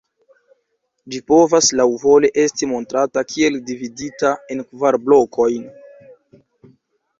Ĝi povas laŭvole esti montrata kiel dividita en kvar blokojn.